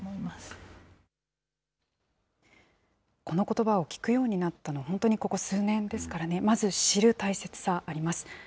このことばを聞くようになったの、本当にここ数年ですからね、まず知る大切さ、あります。